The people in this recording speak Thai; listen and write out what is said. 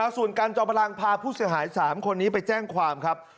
ส่วนการจอมพลังพาผู้เสียหาย๓คนนี้ไปแจ้งความครับ